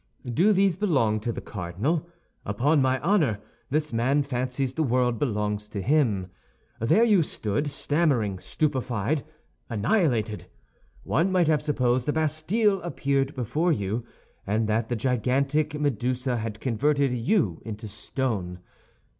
Do these belong to the cardinal? Upon my honor, this man fancies the world belongs to him. There you stood, stammering, stupefied, annihilated. One might have supposed the Bastille appeared before you, and that the gigantic Medusa had converted you into stone.